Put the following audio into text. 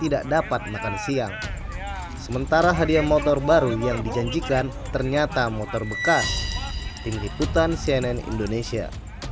tidak dapat makan siang sementara hadiah motor baru yang dijanjikan ternyata motor bekas tim liputan cnn indonesia